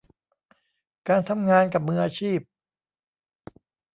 การทำงานกับมืออาชีพ